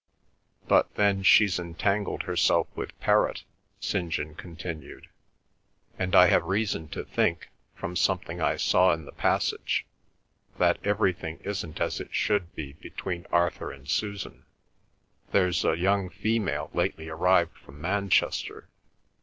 "But then she's entangled herself with Perrott," St. John continued; "and I have reason to think, from something I saw in the passage, that everything isn't as it should be between Arthur and Susan. There's a young female lately arrived from Manchester.